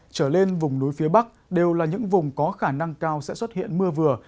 trở lên vùng núi phía bắc đều là những vùng có khả năng cao sẽ xuất hiện mưa vừa